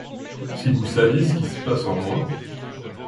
Si vous saviez ce qui se passe en moi.